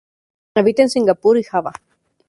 Habita en Singapur y Java.